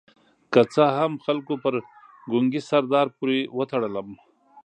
که څه هم خلکو پر ګونګي سردار پورې وتړلم.